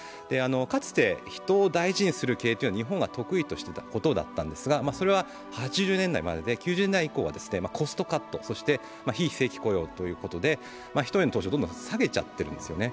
かつて人を大事にする経営は日本が得意としていたんですがそれは８０年代までで、９０年代以降はコストカット、そして非正規雇用ということで人への投資をどんどん下げちゃっているんですね。